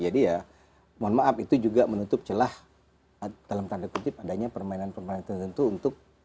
jadi ya mohon maaf itu juga menutup celah dalam tanda kunci padanya permainan permainan tertentu untuk